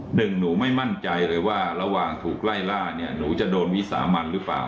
หนึ่งหนูไม่มั่นใจเลยว่าระหว่างถูกไล่ล่าเนี่ยหนูจะโดนวิสามันหรือเปล่า